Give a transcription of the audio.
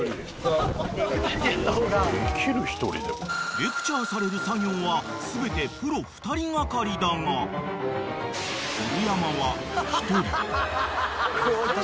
［レクチャーされる作業は全てプロ２人がかりだが古山は］